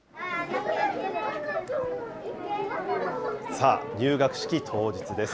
さあ、入学式当日です。